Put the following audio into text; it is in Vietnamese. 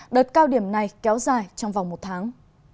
đợt cao điểm này kéo dài trong vòng một tháng